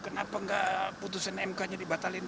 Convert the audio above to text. kenapa nggak putusan mk nya dibatalin